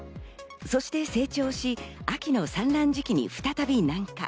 そして成長し、秋の産卵時期に再び南下。